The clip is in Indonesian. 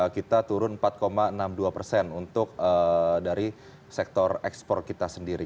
kita turun empat enam puluh dua persen untuk dari sektor ekspor kita sendiri